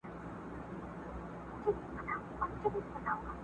له فکرونو اندېښنو په زړه غمجن سو!!